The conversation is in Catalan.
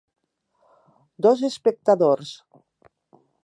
Dos espectadors